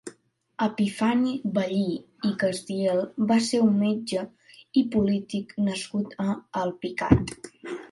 Epifani Bellí i Castiel va ser un metge i polític nascut a Alpicat.